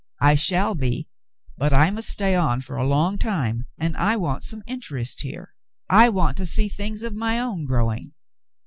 I shall be, but I must stay on for a long time, and I want some interest here. I want to see things of my own growing.